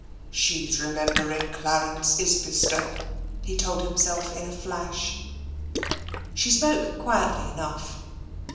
" She is remembering Clarence Isbister," he told himself in a flash. She spoke quietly enough.